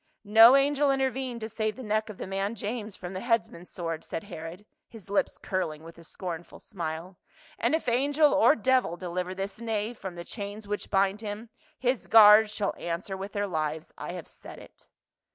" No angel intervened to save the neck of the man' James from the headsman's sword," said Herod, his lips curling with a scornful smile, " and if angel or devil deliver this knave from the chains which bind him, his guards shall answer with their lives. I have said it."